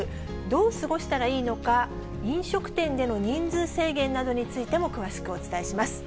どう過ごしたらいいのか、飲食店での人数制限などについても詳しくお伝えします。